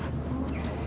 ada apa sih